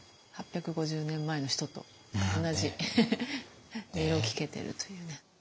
８５０年前の人と同じ音色を聞けてるというね。